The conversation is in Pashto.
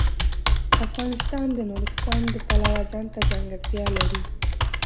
افغانستان د نورستان د پلوه ځانته ځانګړتیا لري.